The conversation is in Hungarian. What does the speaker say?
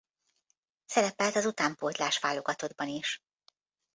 Szerepelt az utánpótlás válogatottban is.